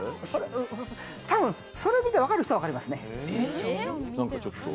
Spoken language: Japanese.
それを見てわかる人は分かりますね。